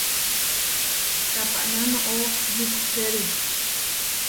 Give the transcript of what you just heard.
Tapaná noʼó yukukeru.